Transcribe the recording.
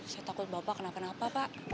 saya takut bapak kenapa pak